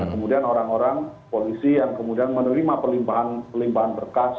kemudian orang orang polisi yang kemudian menerima pelimpahan berkas